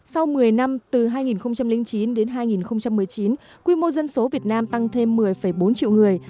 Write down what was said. sau một mươi năm từ hai nghìn chín đến hai nghìn một mươi chín quy mô dân số việt nam tăng thêm một mươi bốn triệu người